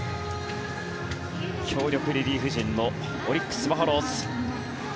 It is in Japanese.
強力リリーフ陣のオリックス・バファローズ。